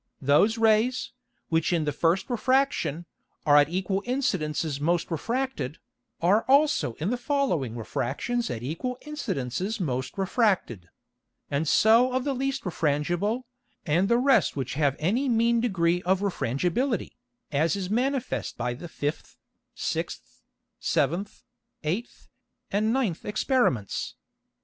Those Rays, which in the first Refraction, are at equal Incidences most refracted, are also in the following Refractions at equal Incidences most refracted; and so of the least refrangible, and the rest which have any mean Degree of Refrangibility, as is manifest by the fifth, sixth, seventh, eighth, and ninth Experiments.